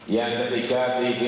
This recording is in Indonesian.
yang ketiga kementerian pelanggar